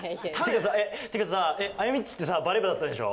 てかさ、あやみっちってさ、バレー部だったでしょ？